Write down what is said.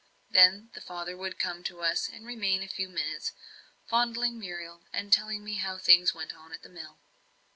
Then the father would come to us and remain a few minutes fondling Muriel, and telling me how things went on at the mill.